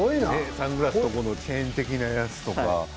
サングラスのチェーン的なやつとか。